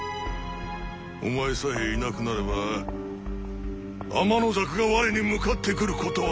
お前さえいなくなれば天の邪鬼が我に向かってくることはない。